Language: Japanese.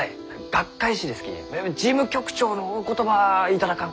学会誌ですき事務局長のお言葉頂かんと。